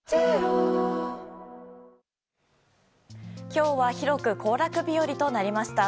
今日は広く行楽日和となりました。